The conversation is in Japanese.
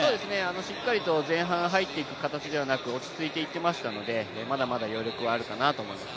しっかりと前半入っていく形ではなく落ち着いていってましたのでまだまだ余力はあるかなと思います。